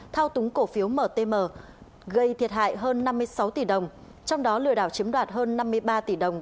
thao túng cổ phiếu mtm gây thiệt hại hơn năm mươi sáu tỷ đồng trong đó lừa đảo chiếm đoạt hơn năm mươi ba tỷ đồng